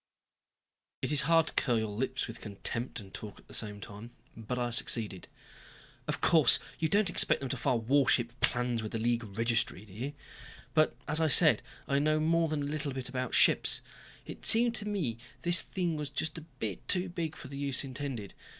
It is hard to curl your lips with contempt and talk at the same time, but I succeeded. "Of course. You don't expect them to file warship plans with the League Registry, do you? But, as I said, I know more than a little bit about ships. It seemed to me this thing was just too big for the use intended.